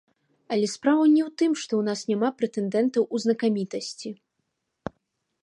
Але справа не ў тым, што ў нас няма прэтэндэнтаў у знакамітасці.